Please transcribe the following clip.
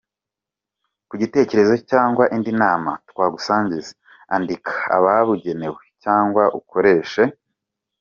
Kugitekerezo cg indi nama twagusangiza andika ababugenewe cyangwa ukoreshe.